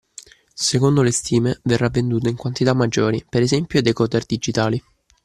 Secondo le stime verrà venduto in quantità maggiori, per esempio ai decoder digitali.